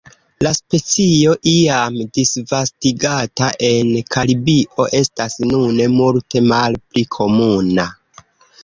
La specio, iam disvastigata en Karibio, estas nune multe malpli komuna.